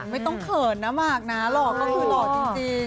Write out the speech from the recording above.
ไม่ต้องเขินนะมากนะเขาคือหล่อจริง